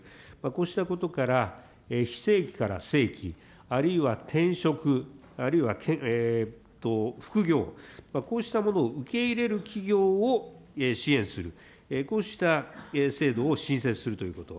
こうしたことから、非正規から正規、あるいは転職、あるいは副業、こうしたものを受け入れる企業を支援する、こうした制度を新設するということ。